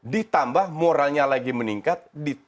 ditambah moralnya lagi meningkat